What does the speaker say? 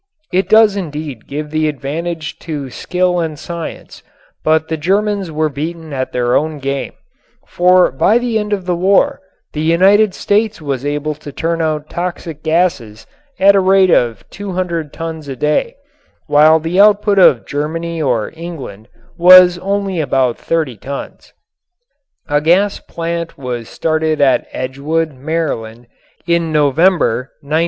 It does indeed give the advantage to skill and science, but the Germans were beaten at their own game, for by the end of the war the United States was able to turn out toxic gases at a rate of 200 tons a day, while the output of Germany or England was only about 30 tons. A gas plant was started at Edgewood, Maryland, in November, 1917.